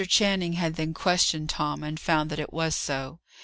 Channing had then questioned Tom, and found that it was so.